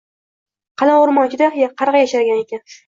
qalin o‘rmon ichida qarg‘a yashagan ekan